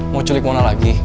mau culik mona lagi